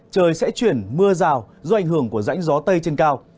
trời sẽ chuyển mưa rào do ảnh hưởng của rãnh gió tây trên cao